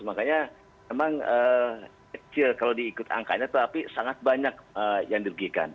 makanya memang kecil kalau diikut angkanya tapi sangat banyak yang dirugikan